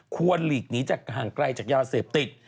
ควรหลีกนี้จากห่างใกล้จากยาวเสพติด